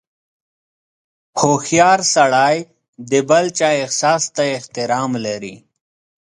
• هوښیار سړی د بل چا احساس ته احترام لري.